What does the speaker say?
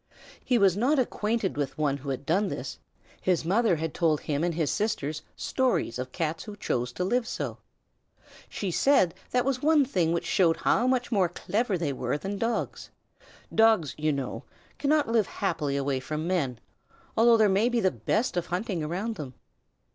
He was not acquainted with one who had done this; his mother had told him and his sisters stories of Cats who chose to live so. She said that was one thing which showed how much more clever they were than Dogs. Dogs, you know, cannot live happily away from men, although there may be the best of hunting around them.